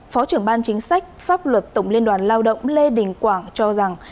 phó trưởng ban chính sách pháp luật tổng liên đoàn lao động lê đình quảng cho rằng